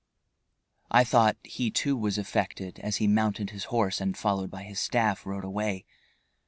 I thought, he too was affected as he mounted his horse and, followed by his staff, rode away.